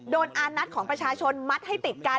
อานัทของประชาชนมัดให้ติดกัน